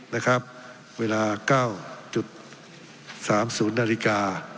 นะครับเวลาเก้าจุดสามศูนย์นาฬิกา